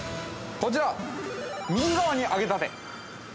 ◆こちら、右側に揚げたて。